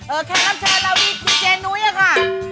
เออแค่รับเชิญเราดีกว่าเจนุ้ยอะค่ะ